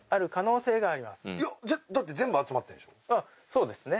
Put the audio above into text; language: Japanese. そうですね。